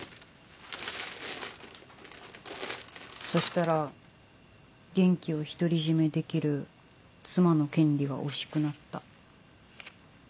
そしたら元気を独り占めできる妻の権利が惜しくなった。